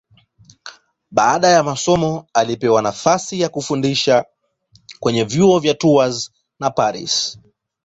Baada ya masomo alipewa nafasi ya kufundisha kwenye vyuo vya Tours na Paris.